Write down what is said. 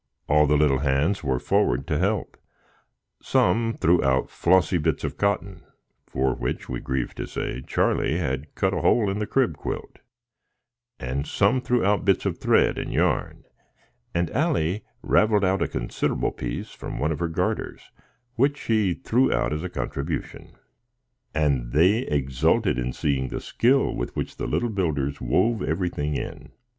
All the little hands were forward to help; some threw out flossy bits of cotton,—for which, we grieve to say, Charlie had cut a hole in the crib quilt,—and some threw out bits of thread and yarn, and Allie ravelled out a considerable piece from one of her garters, which she threw out as a contribution; and they exulted in seeing the skill with which the little builders wove everything in.